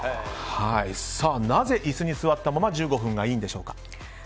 なぜ、椅子に座ったまま１５分がいいんでしょうか。